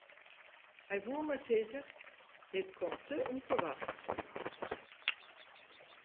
Hy woe mar sizze: dit komt te ûnferwachts.